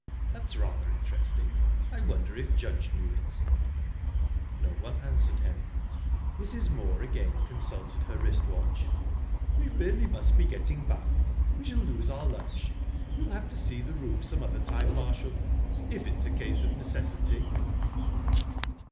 "That's rather interesting. I wonder if Judge know it?" No one answered him. Mrs. Moor again consulted her wrist watch. "We really must be getting back we shall lose our lunch. You'll have to see the room some other time, Marshall, if it's a case of necessity."